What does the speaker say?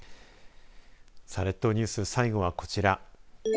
列島ニュース、最後、こちら。